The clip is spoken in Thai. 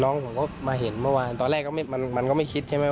น้องผมก็มาเห็นเมื่อวานตอนแรกก็ไม่มันก็ไม่คิดใช่ไหม